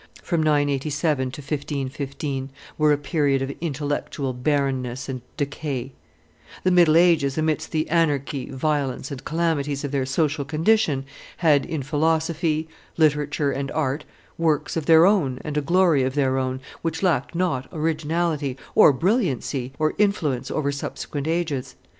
(from 987 to 1515), were a period of intellectual barrenness and decay; the middle ages, amidst the anarchy, violence, and calamities of their social condition, had, in philosophy, literature, and art, works of their own and a glory of their own, which lacked not originality, or brilliancy, or influence over subsequent ages.